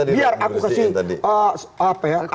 biar aku kasih